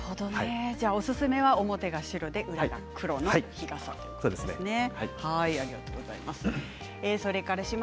おすすめは表が白で裏が黒の日傘ですね。